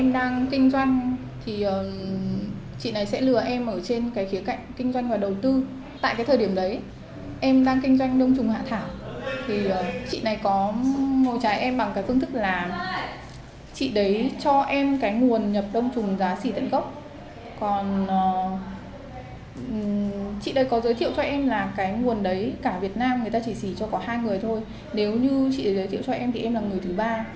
đấy cho em cái nguồn nhập đông trùng giá xỉ tận gốc còn chị đây có giới thiệu cho em là cái nguồn đấy cả việt nam người ta chỉ xỉ cho có hai người thôi nếu như chị giới thiệu cho em thì em là người thứ ba